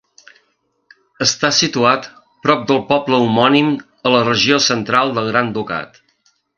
Està situat prop del poble homònim a la regió central del Gran Ducat.